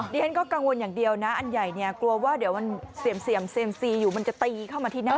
ฉันก็กังวลอย่างเดียวนะอันใหญ่เนี่ยกลัวว่าเดี๋ยวมันเสี่ยมซีอยู่มันจะตีเข้ามาที่หน้า